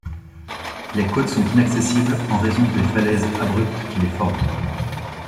Les côtes sont inaccessibles en raison des falaises abruptes qui les forment.